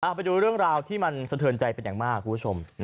ไปดูเรื่องราวที่มันสะเทินใจเป็นอย่างมากคุณผู้ชม